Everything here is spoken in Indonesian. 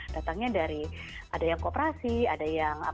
datangnya dari ada yang kooperasi ada yang apa